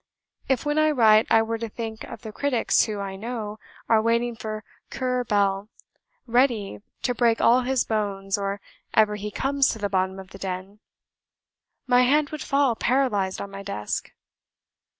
If when I write, I were to think of the critics who, I know, are waiting for Currer Bell, ready 'to break all his bones or ever he comes to the bottom of the den,' my hand would fall paralysed on my desk.